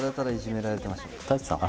太一さん